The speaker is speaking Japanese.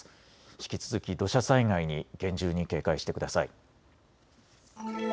引き続き土砂災害に厳重に警戒してください。